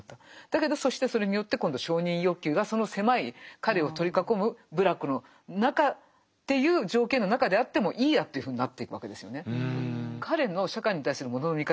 だけどそしてそれによって今度承認欲求がその狭い彼を取り囲む部落の中っていう条件の中であってもいいやというふうになっていくわけですよね。